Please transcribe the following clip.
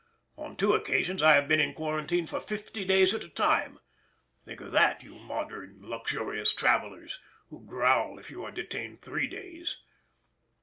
On two occasions I have been in quarantine for fifty days at a time—think of that, you modern luxurious travellers, who growl if you are detained three days.